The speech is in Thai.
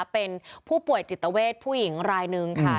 เป็นผู้ป่วยจิตเวทผู้หญิงรายหนึ่งค่ะ